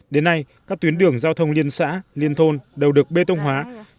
đến nay các tuyến đường giao thông liên xã liên thôn đều được bê tông hóa